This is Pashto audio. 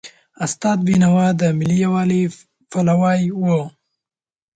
استاد بینوا د ملي یووالي پلوی و.